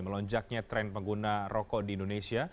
melonjaknya tren pengguna rokok di indonesia